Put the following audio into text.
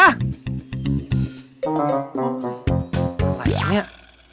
อะไรเนี่ย